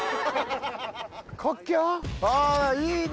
あいいね！